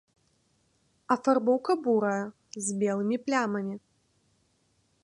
Афарбоўка бурая з белымі плямамі.